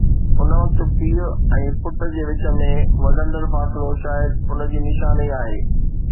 ان وقت پيءُ ۽ پٽ جي وچ ۾ وڌندڙ فاصلو شايد ان جي نشاني آهي.